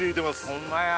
ホンマや。